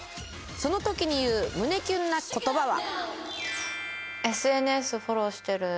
その時に言う胸キュンな言葉は？